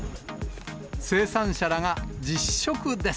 生産者らが実食です。